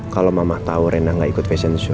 kalau mama nggak datang aku nggak mau ikut fashion show